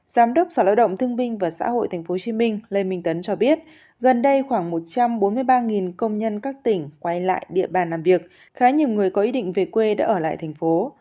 giám đốc sở lao động thương binh và xã hội tp hcm lê minh tấn cho biết gần đây khoảng một trăm bốn mươi ba công nhân các tỉnh quay lại địa bàn làm việc khá nhiều người có ý định về quê đã ở lại thành phố